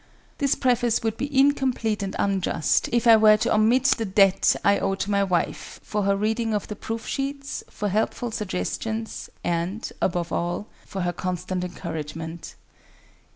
This Preface would be incomplete and unjust, if I were to omit the debt I owe to my wife for her reading of the proof sheets, for helpful suggestions, and, above all, for her constant encouragement.